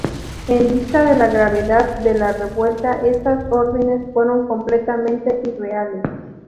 En vista de la gravedad de la revuelta, estas órdenes fueron completamente irreales.